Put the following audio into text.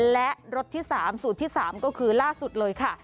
และรสที่๓สูตรที่๓ก็คือล่าสุดเลยค่ะ